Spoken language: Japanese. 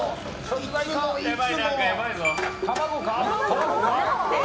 卵か？